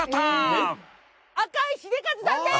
赤井英和さんです。